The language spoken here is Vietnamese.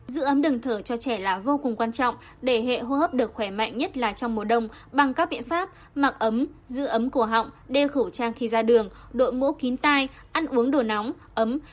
giữ ấm đường thở cho trẻ là vô cùng quan trọng để hệ hô hấp được khỏe mạnh nhất là trong mùa đông bằng các biện pháp mặc ấm giữ ấm cổ họng đeo khẩu trang khi ra đường đội mũ kín tai ăn uống đồ nóng ấm